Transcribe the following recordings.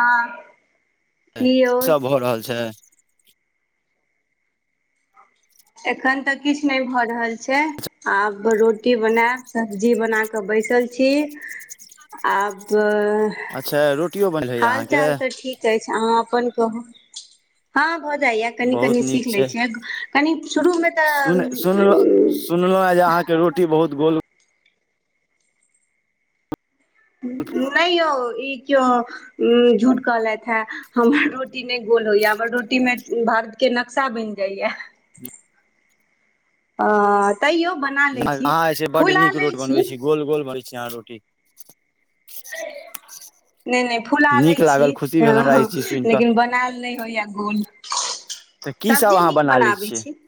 हँ। की सब भ रहल छै? एखन तऽ किछ नैय भऽ रहल छै। आब रोटी बनैब सब्जी बना कऽ बैसल छी। आब। छै रूट हाल चाल तऽ ठीक अछि अहाँ अपन कहू हँ भऽ जाइया। कनी बहुत कनी नीक सीख लै छै छियै कनीक शुरूमे तऽ सुनलौ आई आहाँ के रोटी बहुत गोल नय यौ इ क्यो उं झूठ कहलैथ है हमर रोटी नय गोल होइया हमर रोटी में भारत के नक्शा बइन जाइया। [inaudible] आ तैयो बना लै छी अहाँ जे छै बड्ड खुला नीक लै रोटी बनबै छी। गोल गोल मरि चार रोटी [unintelligible] नै नै फुला लै नीक छी लागल खुशी ह भेल हमरा हँ ई चीज सुनि कऽ लेकिन बनेल नहि होइया गोल। तऽ की सब सब्जी अहाँ नीक बना लै बनाबैइ छियै छी।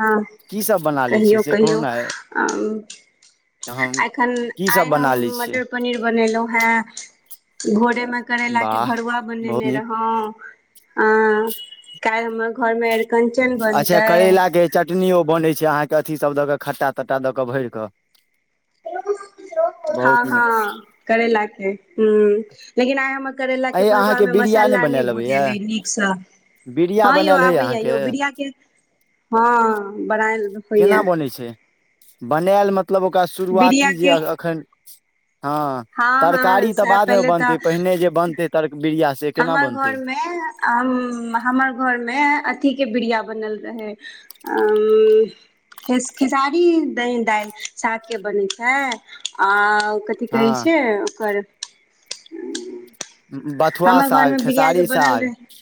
हँ की सब बना लै छियै कहियौ से कहू कहियौ ने ॲं उम। हम आ एखन की सब आइ हम बना लै छियै मटर पनीर बनेलहुँ हे भोरेमे करेला के वाह भरुआ बहुत बनेने नीक रहौ आ काइल हमर घर मे अच्छा करैलाके चटनीयो बनै छै अहाँके अथीसभ दऽक खट्टा तट्टा दऽक भरि कऽ। हँ बहुत नीक हँ करैला के ह्म। लेकिन आइ हमर अ करैलाके अहाँके भरुआमे बिरिया मसला नहि बनायल अबैए भुजलै नीकसँ। बिरिया हँ यौ बनायल होइए आबैया यौ अहाँके बड़िया के हँ। बनायल केना होइए बनै छै बनायल मतलब ओकरा बिरिया शुरुआती जे के अ-अखन हँ हँ तरकारी तऽ सएह बादमे पहिले तऽ बनतै पहिने जे बनतै तर बिरिया से केना हमर बनतै घरमे आहम्म हमर घरमे अथीके बिरिया बनल रहै। अम्म। खे खेसारी द दालि सागके बनै छै आ की कहै हँ छै ओकर बथुआ हमर साग घरमे बिरिया जे खेसारी बनल साग। रहै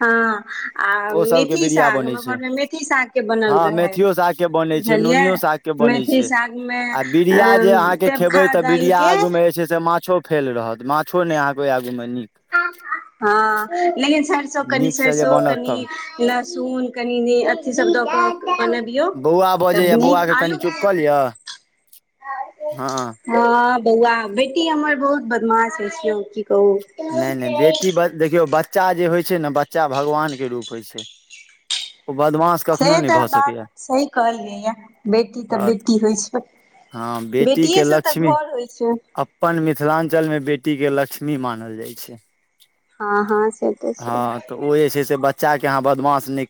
हँ। आ ओ सभके मेथी बिरिया साग बनै हमर छै घरमे मेथी सागके बनल हँ रहै मेथियो सागके बनै छै बुझलियै नुनियो साग के बनैए मेथी छै सागमे आ बिरिया जे आहा के देबखा खेबय त बिरिया दालिके आगू में जे छै से माछो फेल रहत माछो नहि अबै आगूमे नीक हँ लेकिन सरसो सब कनि नीक से जे सेरसो बनत कनि तब लहसुन कनि नी अथि सब दऽक बनबियौ। बौआ तब बजैया नीक बौआ कनि आलू चुप के कऽ लिअ हँ। ह बौआ बेटी हमर बहुत बदमाश अछि हम कि नहि-नहि बेटी बड देखियौ बच्चा जे होइ छै न बच्चा भगवान के रूप होइ छै ओ बदमाश कखनो से नहि तऽ भऽ बात सकैया सही कहलियैया बेटी तऽ बेटी होइ छै। हँ बेटीए बेटीके सँ तऽ लक्ष्मी घर होइ छै। अपन मिथिलाञ्चलमे बेटीके लक्ष्मी मानल जाइ छै। हँ हँ सेत छै। हँ तऽ ओ जेछै से बच्चा के आहा बदमाश नै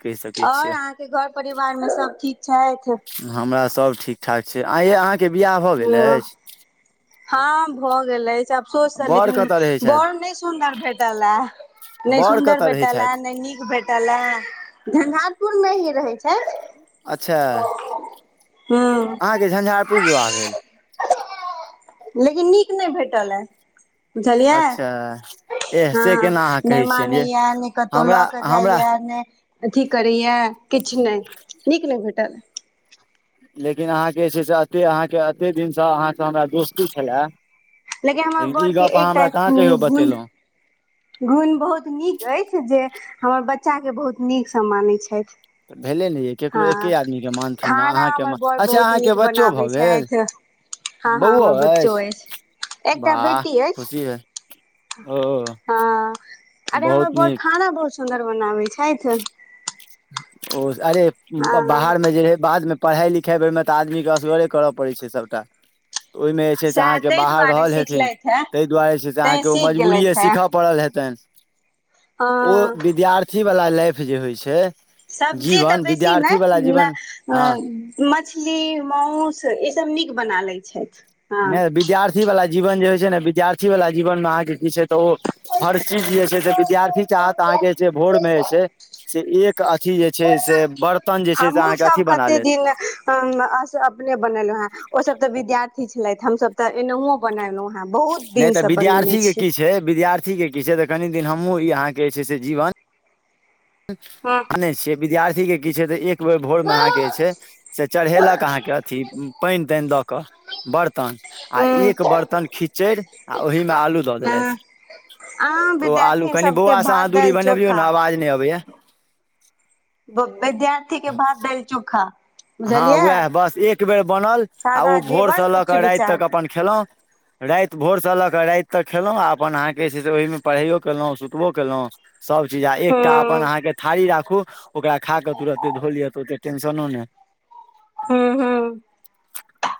आओर अहाँके घर परिवारमे सब ठीक छैथ। हमरा सब ठीकठाक छै आइ ये अहाँके बिआह भऽ गेल हँ अछि? हँ भऽ गेल अछि अबसोस स बड़ लेकिन कतऽ रहै बोड़ छथि नहि सुन्दर भेटला। नहि बड़ सुंदर कतऽ रहै भेटला छथि नै नीक भेटल भेटला झंझारपुर मे ही रहै छै। अच्छा, हँ, अहाँके झंझारपुर विवाह भेल, लेकिन, नीक नई भेटलै। बुझलियै अच्छा एह से हँ केना अहाँ कहै नय छियनि ये मानैय नई कतहु हमरा ल हमरा जाइया, नै अथी करैया किछु नय नीक नहि भेटल, लेकिन अहाँके से छै से, एते अहाँके एते दिनसँ अहाँके हमरा दोस्ती छलए। लेकिन हमर लिई बर के गप अहाँ एकटा हमरा कहाँ कहियौ गुण बतेलहुँ, गुण बहुत नीक अइछ, जे हमर बच्चाके बहुत नीकसँ मानैत छइथ, ऽ भेले नै यए, ककरो एक्के आदमीकेँ मानथिन न खाना अहाँके हमर बड़ अच्छा, बहुत अहाँके नीक बच्चो बनाबै भऽ गेल। छथि हँ हँ बौओ हमर बच्चो अइछ अछि एकटा वाह बेटी खुशी भेलऽ ओ ह, अरे हमर बहुत बर नीक खाना बहुत सुन्दर बनाबे छऐथ। ओ अरे हँ बाहरमे जे बादमे, पढ़ाइ लिखाइबेर में तऽ आदमीके, असगरे करय पड़ैत छै सभटा, ओइमे छै से सएह अहाँके ताहि बाहर दुआरे रहल हेथिन, सिखलथि हे तइह दुआरे जे छै से तैं अहाँकेँ ओ सीख मजबूरिए गेलथि हे सीखय पड़ल हेतइन। ओ हँ विद्यार्थी वाला लाइफ जे होइ छै। सब्जी तऽ जीवन बेसी विद्यार्थी नैय वाला न जीवन हँ ओ मछली माउस ई सब नीक बना लैत छइथ। नै विद्यार्थी वाला जीवन जे होइ छै ने, विद्यार्थी वाला जीवन मे अहाँके की छै, तऽ ओ हर चीज जे विद्यार्थी चाहत अहाँ के जे भोर मे जे से एक अथी जे छै से बर्फ हम हुँ सब कते दिन हं स अपने बनेलो हें ओ सब तऽ, विद्यार्थी छलथि हम सब तऽ एन हुं बनेलहुं हैं बहुत दिन स बनेने छियै। है विद्यार्थी की छै तऽ कनी दिन हमहुँ ई अहाँ के जे छै से जीवन अच्छ [unintelligible] हँ विद्यार्थी के कि छै एक बैर भोर में अहाँ के हूँ छै, चढ़ेलक अहाँके अथी पाईन, ताईन दऽ कऽ बर्तन आ एक बर्तन खिचैड़ आ ओहिमे आलू ददेलैस हँ अहाँ ओ आलू विद्यार्थी कनी सबके बौआ स भात आहां दूरी दालि बनाबइयौ ने चोखा आवाज नइ आवै य विद्यार्थी के भात दाइल चोखा हँ बुझलियै उएह बस एक बेर बनल आ सादा जीवन भोरसँ लऽ उच्च कऽ राइत तक विचार अपन खेलहुँ। राइत भोरसँ लऽ क राइत तक खेलहुँ आ अपन अहाँके से छै से ओहिमे पढ़ैबो केलहुँ सुतबो कयेलहुँ, सब चीज आ एकटा अपन हूँ आहाँ के थारी राखू ओकरा खा कऽ तुरते धो लिअ तऽ ओते टेंशनो नै। हं - हं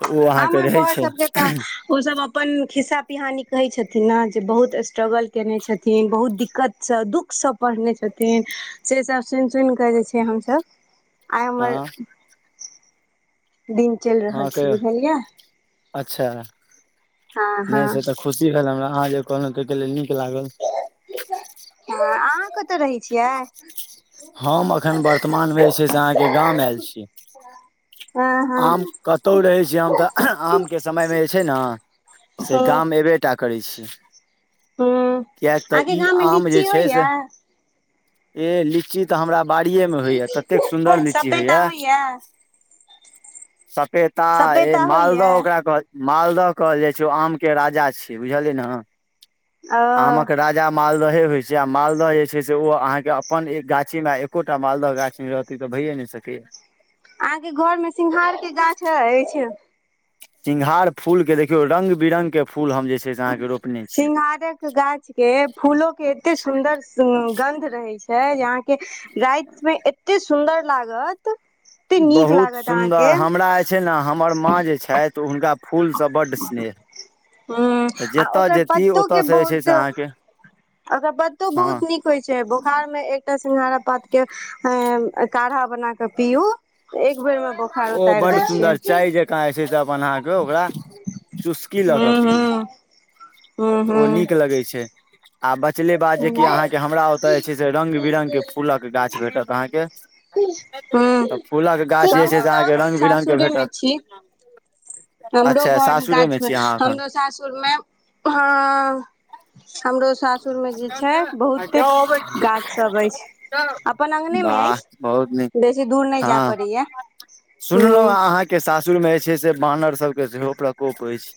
तऽ ओ अहाँके हमी रहै बर छै सबके तऽ ओ सब अपन खिस्सा पिहानी कहै छथिन न जे बहुत स्ट्रगल केने छथिन, बहुत दिक्कतसँ बहुत दुःख सभ पढ़ने छथिन से सब सुनि - सुनि कऽ जे छै हम सभ आइ हमर हँ दिन चलि रहल हँ छै कहियौ बुझलियै अच्छा हँ - हँ नहि से तऽ खुशी भेल हमरा अहाँ जे कहलहुँ तहिके लेल नीक लागल। हँ अहाँ कतऽ रहै छिये। हम एखन वर्तमान में जे छै से, अहाँके गाम एयल छी। हँ हँ हम कतौ रहै छी। हम तऽ आम के समय मे जे छै नऽ से हँ हँ गाम एबे टा करै छी कियेक तऽ अहाँके ई गाममे आम जे लीची छै होइया से ऐ लीची तऽ हमरा बाड़िये मे होइया ततेक सुन्दर लीची सपेता होइये होइया सपेता ए सपेता होइया मालदह ओकरा कह- मालदह कहल जाए छै। ओ आम के राजा छय बुझलिय न ओ आमक राजा जे मालदहे होय छै आ मालदह जे छै से ओ अहाँ के अपन एक गाछी मे एकोटा मालदह गाछी मे रहत इ त भैये न सकये अहाँके घर मे सिंघार के गाछ अएछ सिंघार फूल के देखियौ रंग-बिरंग के फूल हम जे छै से अहाँके रोपने छी सिंंगारक गाछ के फूलो के एते सुंदर सुंग गंध रहे छै जे अहा। के राइत मे एते सुंदर लागत एते नीक बहुत लागत अहाँके सुन्दर हमरा जे छै ने हमर माँ जे छैथ हुनका फूल से बड स्नेह हू तऽ आ जतय ओकर जेती पत्तो के ओतयसँ जे छै से बहुत अहाँके अकर बत्तो हँ बहुत नीक होए छै बोखार में एकटा सिंघार पात के काढ़ा बनाक पिउ ओ बड्ड छै सुन्दर चाय जेकाँ जे छैय। से बना कऽ ओकरा। चुस्की लऽ कऽ हूं पीयू हूं हूं तऽ ओ हूं नीक लगै छै। आ बचले बात जेकि हूं अहाँके हमरा ओतऽ जे छै से रंग-बिरंग के फूलक गाछ भेटत। तऽ अहाँके हमहुँ तऽ फूलक गाछ जे छै से अहाँके सब रंग-बिरंग के सासुरे भेटत। मे छी हमरो अच्छा घरमे सासुरे मे गाछमे छी अहाँ एखन हमरो सासुरमे ह। हमरो सासुर मे जे छै बहुते गाछ सब अइछ। अपन अंगने मे वाह बहुत अइछ बेसी दूर नहि जैऽ पड़ैए। सुनलउ है। अहाँके सासुर मे जे छै से बानर सबके सेहो प्रकोप अइछ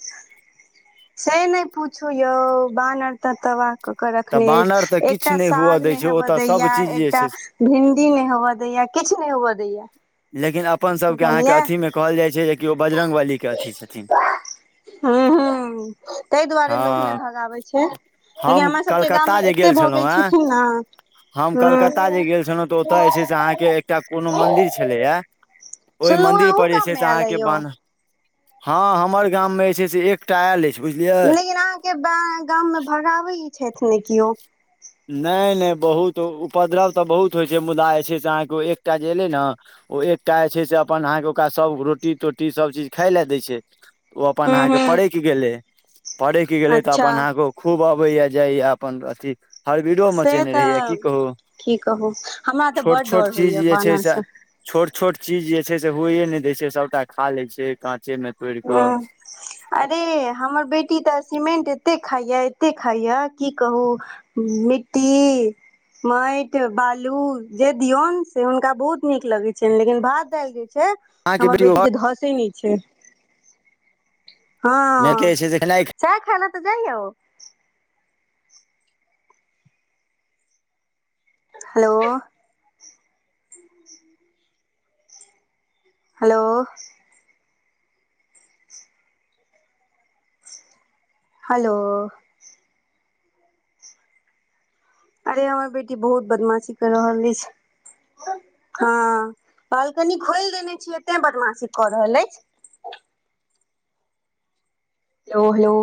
से नहि पूछू यौ बानर तऽ तबाह कऽ क तऽ रखने अएछ बानर तऽ किछु एकटा नहि हुअ साग दै नहि छै हेब ओतय दैया सभचीज जे एकटा छै भिणडी नहि हौब दैया किछ नहि हुअ दैया। लेकिन अपन सबके अहाँके बुझलियै अथीमे कहल जाइ छै जे कि ओ बजरगबलीके अथि छथिन। हु हु तैय दुआरे हँ लोक नहि भगाबै छै। लेकिन हम हमर सबके कलकत्ता गाममे जे एते भऽ छलहुँ गेल हेँ छथिन नऽ हम कलकत्ता जे गेल छलौ तऽ ओत जे छै से अहाँके एकटा कोनो मन्दिर छलेये। ओहि सुनलहुँ हेँ मन्दिर अहूँ पर जे छै गाममे से आयल अहाँके अइ यौ बान हँ हमर गाम मे जे छै से एक टा ऐल अएछ बुझलियै। लेकिन अहाँके गाऽ गाम मे भगाबै छथि ने कियो। नहि नहि बहुत उपद्रव तऽ बहुत होइ छै मुदा जे छै से अहाँके एकटा जे एलै न ओ एकटा जे छै से अपन अहाँके ओकरा सब रोटी-तोटी सबचीज खाय लै दै छै। ओ अपन हूँ अहाँके हूँ पड़ैक गेलै पड़ैक गेलै तऽ अच्छा अपन अहाँके ओ खूब अबैए जाइए अपन अथी। हरबिरो से मचेने रहैय की तऽ कहू की कहू हमरा तऽ बड छोट-छोट डर चीज होइया जे छैय बानर से छोट-छोट चीज जे छै से होइए नहि दै छै सबटा खा लैए छै काँचेमे तोड़ि कऽ हूँ अरे हमर बेटी तऽ सीमेंट एते खाइये एते खाइये की कहू मिट्टी मइट बालू जे दियौन से हुनका बहुत नीक लगैत छनि लेकिन भात दालि जे छै। अहाँके हमर बेटी घर के धसे नहि छै। हँ मैकेे छै देखनाइक सैह खायला तऽ जाइया ओ हेलो हेलो हेलो अरे हमर बेटी बहुत बदमाशी कर रहल अइछ हँ बालकनी खोइल देने छीयै तें बदमाशी कऽ रहल अइछ हेलो -हेलो